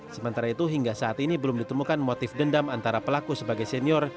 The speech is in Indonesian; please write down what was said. sementara itu hingga saat ini belum ditemukan motif dendam antara pelaku sebagai senior